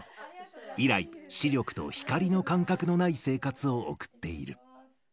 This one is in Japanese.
以来、視力と光の感覚のない生活を送っている。